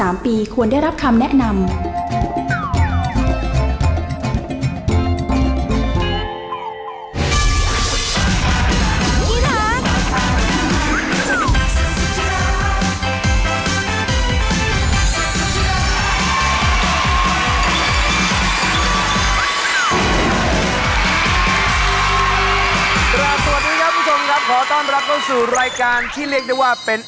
ขอต้อนรับเข้าสู่รายการที่เรียกได้ว่าเป็น